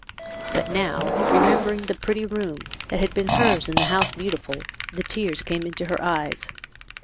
But now, remembering the pretty room that had been hers in the House Beautiful, the tears came into her eyes.